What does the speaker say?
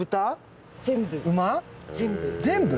全部？